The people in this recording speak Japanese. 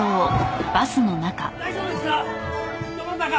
大丈夫ですか！？